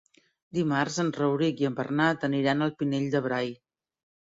Dimarts en Rauric i en Bernat aniran al Pinell de Brai.